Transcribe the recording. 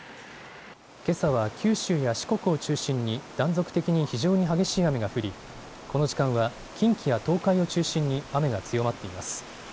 けさは九州や四国を中心に断続的に非常に激しい雨が降りこの時間は近畿や東海を中心に雨が強まっています。